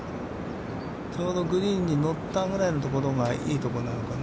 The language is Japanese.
ちょうどグリーンに乗ったぐらいのところが、いいとこなのかな。